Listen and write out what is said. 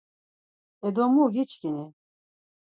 E do mu giçkini?